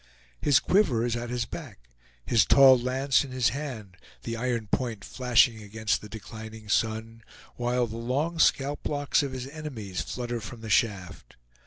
His quiver is at his back; his tall lance in his hand, the iron point flashing against the declining sun, while the long scalp locks of his enemies flutter from the shaft.